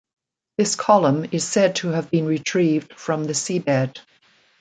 This column is said to have been retrieved from the seabed.